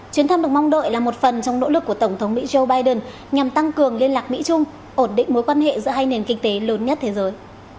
chuyến thăm được mong đợi là một phần trong nỗ lực của tổng thống mỹ joe biden nhằm tăng cường liên lạc mỹ trung ổn định mối quan hệ giữa hai nền kinh tế lớn nhất thế giới